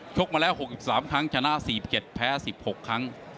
กมาแล้ว๖๓ครั้งชนะ๔๗แพ้๑๖ครั้ง